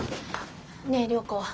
ねえ涼子。